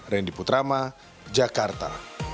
rendy putrama jakarta